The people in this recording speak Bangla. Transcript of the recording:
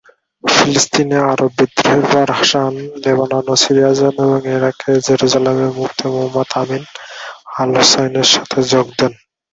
ফিলিস্তিনে আরব বিদ্রোহের পর হাসান লেবানন ও সিরিয়া যান এবং ইরাকে জেরুজালেমের মুফতি মুহাম্মদ আমিন আল-হুসাইনির সাথে যোগ দেন।